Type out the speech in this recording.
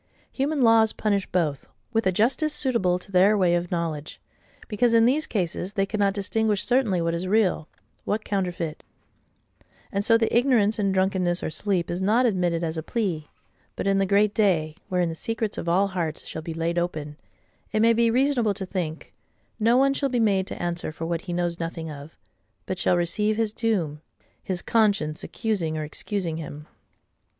Human laws punish both, with a justice suitable to THEIR way of knowledge;—because, in these cases, they cannot distinguish certainly what is real, what counterfeit: and so the ignorance in drunkenness or sleep is not admitted as a plea. But in the Great Day, wherein the secrets of all hearts shall be laid open, it may be reasonable to think, no one shall be made to answer for what he knows nothing of; but shall receive his doom, his conscience accusing or excusing him.